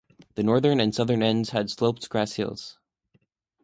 The northern and southern ends had sloped grass hills.